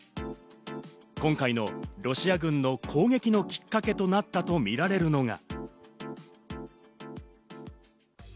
今回のロシア軍の攻撃のきっかけとなったとみられるのが。